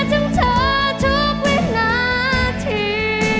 เห็นทั้งเธอทุกวินาที